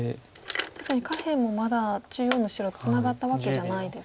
確かに下辺もまだ中央の白ツナがったわけじゃないですもんね。